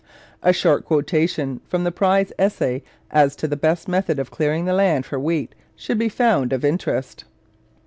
A short quotation from the prize essay as to the best method of clearing the land for wheat should be found of interest.